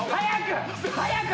早く！